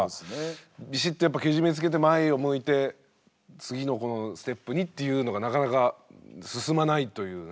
ビシッとやっぱケジメつけて前を向いて次のこのステップにっていうのがなかなか進まないというね。